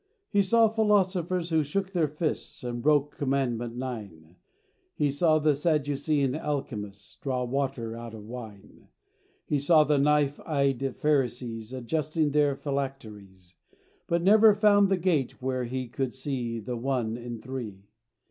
He saw philosophers who shook their fists, And broke commandment nine; He saw the Sadducean alchemists Draw water out of wine; He saw the knife eyed Pharisees Adjusting their phylacteries: But never found the gate where he could see The One in Three.